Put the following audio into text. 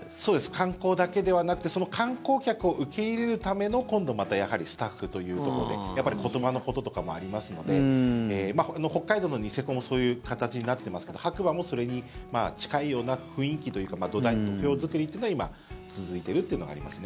観光だけではなくてその観光客を受け入れるための今度、またやはりスタッフということでやっぱり言葉のこととかもありますので北海道のニセコもそういう形になってますけど白馬もそれに近いような雰囲気というか土台、土俵作りというのは今、続いているというのがありますね。